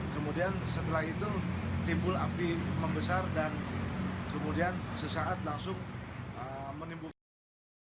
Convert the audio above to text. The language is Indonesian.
kemudian setelah itu timbul api membesar dan kemudian sesaat langsung menimbulkan